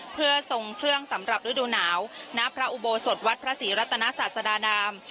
เพื่อทรงเครื่องสำหรับฤดูหนาวณพระอุโบสถวัดพระศรีรัตนศาสดานาม